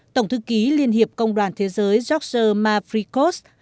tổng thư ký liên hiệp công đoàn thế giới george mafrikos